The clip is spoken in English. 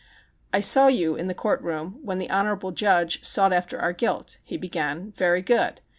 "I saw you in the court room, when the honorable judge sought after our guilt," he began. "Very good.